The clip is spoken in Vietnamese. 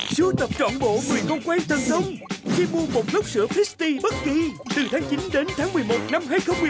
sưu tập trọn bộ người công quen thần thông khi mua một lớp sữa frisbee bất kỳ từ tháng chín đến tháng một mươi một năm hai nghìn một mươi bảy